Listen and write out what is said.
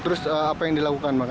terus apa yang dilakukan